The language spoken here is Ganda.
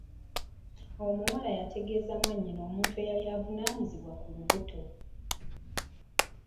Omuwala yategeeza mwannyina omuntu eyali avunaanizibwa ku lubuto.